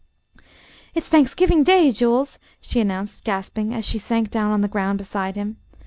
"It's Thanksgiving Day. Jules," she announced, gasping, as she sank down on the ground beside him.